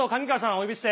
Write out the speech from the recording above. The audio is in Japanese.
お呼びして。